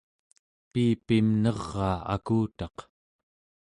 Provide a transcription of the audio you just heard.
piipim neraa akutaq